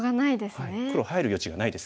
黒入る余地がないです。